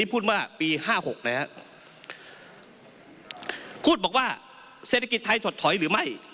พูดว่าปี๕๖นะครับพูดบอกว่าเศรษฐกิจไทยถดถอยหรือไม่